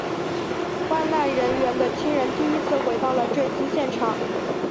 罹难人员的亲人第一次回到了坠机现场。